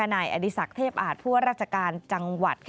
นายอดีศักดิ์เทพอาจผู้ว่าราชการจังหวัด